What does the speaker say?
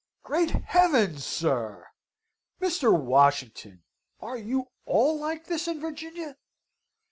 Great heavens, sir! Mr. Washington, are you all like this in Virginia?